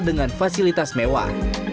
dengan fasilitas mewah